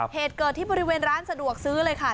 เหตุเกิดที่บริเวณร้านสะดวกซื้อเลยค่ะ